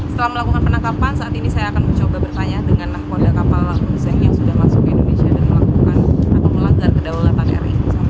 setelah melakukan penangkapan saat ini saya akan mencoba bertanya dengan model kapal hunseng yang sudah masuk ke indonesia dan melakukan atau melanggar kedaulatan ri